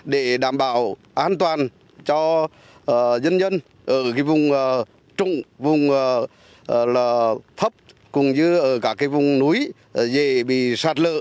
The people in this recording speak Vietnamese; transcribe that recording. để đảm bảo an toàn cho dân dân ở vùng trung vùng thấp vùng núi dễ bị sát lỡ